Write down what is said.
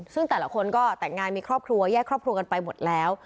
ซึ่งแต่ละคนก็แต่งงานมีครอบครัวแยกครอบครัวกันไปหมดแล้ว